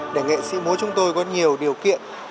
để nghệ sĩ múa chúng tôi có nhiều điều kiện